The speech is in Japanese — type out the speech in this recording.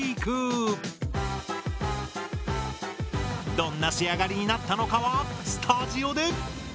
どんな仕上がりになったのかはスタジオで。